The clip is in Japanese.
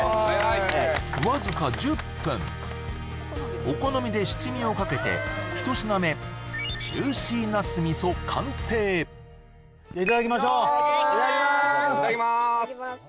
わずか１０分お好みで七味をかけて１品目ジューシーナス味噌完成いただきましょういただきまーす